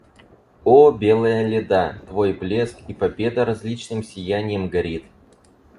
О, белая Леда, твой блеск и победа различным сияньем горит.